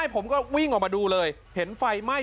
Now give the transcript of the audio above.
ผมก็วิ่งออกมาดูเลยเห็นไฟไหม้